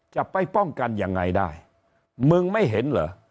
จะไปป้องกันยังไงได้มึงไม่เห็นเหรอ